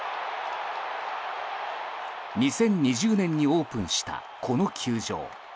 ２０２０年にオープンしたこの球場。